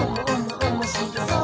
おもしろそう！」